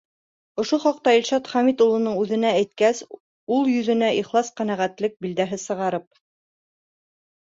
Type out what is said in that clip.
Ошо хаҡта Илшат Хәмит улының үҙенә әйткәс, ул йөҙөнә ихлас ҡәнәғәтлек билдәһе сығарып: